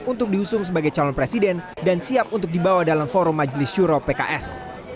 untuk diusung sebagai calon presiden dan siap untuk dibawa dalam forum majelis syuro pks